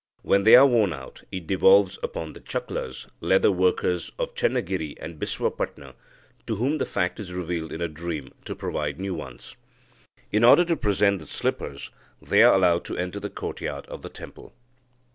When they are worn out, it devolves upon the chucklers (leather workers) of Channagiri and Bisvapatna, to whom the fact is revealed in a dream, to provide new ones." In order to present the slippers, they are allowed to enter the courtyard of the temple.